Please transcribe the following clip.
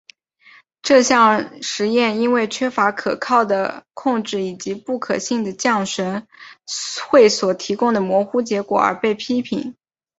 这项实验因为缺乏可靠的控制以及不可信的降神会所提供的模糊结果而被批评。